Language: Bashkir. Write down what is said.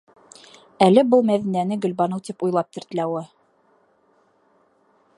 Әле бына Мәҙинәне Гөлбаныу тип уйлап тертләүе!